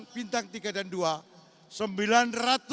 bintang tiga dan dua